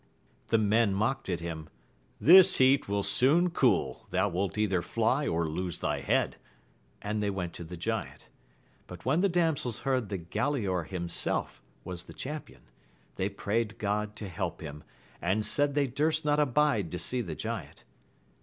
The men mocked at him : this heat will soon cool ; thou wilt either fly or lose thy head ; and they went to the giant. But when the damsels heard that Galaor himself was the champion, they prayed God to help him ; and said they durst not abide to see the giant.